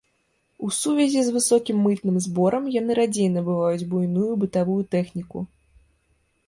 У сувязі з высокім мытным зборам яны радзей набываюць буйную бытавую тэхніку.